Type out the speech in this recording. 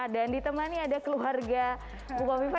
dan ditemani ada keluarga bukal viva